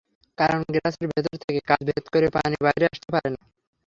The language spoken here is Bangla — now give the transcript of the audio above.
কারণ, গ্লাসের ভেতর থেকে কাচ ভেদ করে পানি বাইরে আসতে পারে না।